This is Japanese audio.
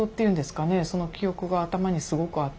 その記憶が頭にすごくあって。